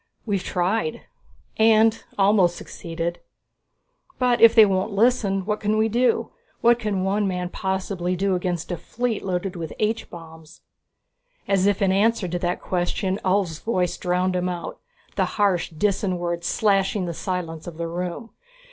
"We've tried and almost succeeded. But if they won't listen, what can we do? What can one man possibly do against a fleet loaded with H bombs?" As if in answer to the question, Ulv's voice drowned him out, the harsh Disan words slashing the silence of the room.